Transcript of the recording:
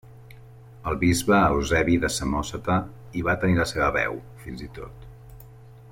El bisbe Eusebi de Samòsata hi va tenir la seva seu, fins i tot.